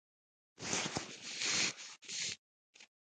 رضوان وویل دا اړیکه به تلپاتې ساتو.